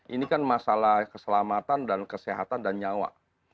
ini kan masalah keselamatan dan kesehatan dan nyawa